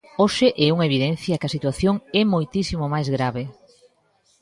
Hoxe é unha evidencia que a situación é moitísimo máis grave.